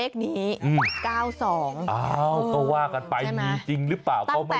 ก็ว่ากันไปมีจริงหรือเปล่าเขาไม่รู้